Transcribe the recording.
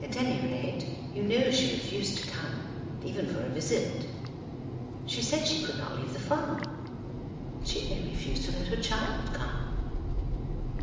"At any rate, you know she refused to come, even for a visit. She said she could not leave the farm. She may refuse to let her child come."